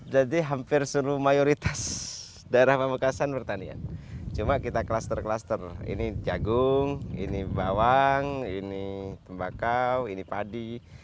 jadi hampir seluruh mayoritas daerah pembekasan pertanian cuma kita kluster kluster ini jagung ini bawang ini tembakau ini padi